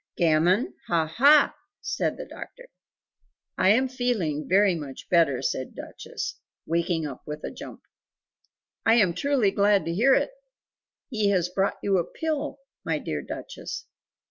"Gammon, ha, HA?" said the doctor. "I am feeling very much better," said Duchess, waking up with a jump. "I am truly glad to hear it!" He has brought you a pill, my dear Duchess!"